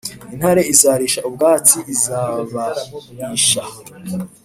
Intare izarisha ubwatsi izabaishaje